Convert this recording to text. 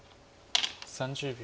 ３０秒。